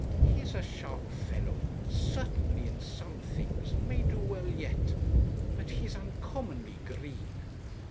'He's a sharp fellow; certainly, in some things, and may do well yet; but he's uncommonly green.